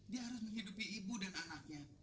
dia harus menghidupi ibu dan anaknya